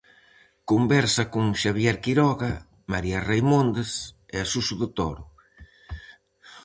Conversa con Xabier Quiroga, María Reimóndez e Suso de Toro.